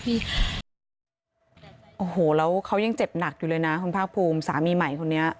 โอ้โหแล้วเขายังเจ็บหนักอยู่เลยนะคุณภาคภูมิสามีใหม่คนนี้